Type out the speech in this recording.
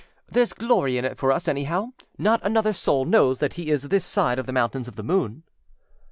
Thereâs glory in it for us, anyhow. Not another soul knows that he is this side of the Mountains of the Moon.